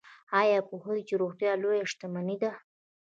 ایا پوهیږئ چې روغتیا لویه شتمني ده؟